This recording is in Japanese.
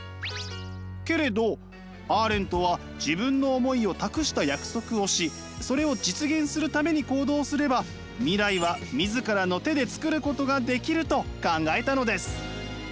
けれどアーレントは自分の思いを託した約束をしそれを実現するために行動すれば未来は自らの手でつくることができると考えたのです。